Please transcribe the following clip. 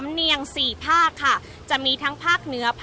อาจจะออกมาใช้สิทธิ์กันแล้วก็จะอยู่ยาวถึงในข้ามคืนนี้เลยนะคะ